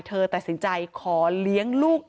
เธอตัดสินใจขอเลี้ยงลูก